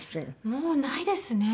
もうないですね。